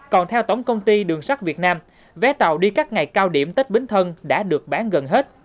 còn theo tổng công ty đường sắt việt nam vé tàu đi các ngày cao điểm tết bến thân đã được bán gần hết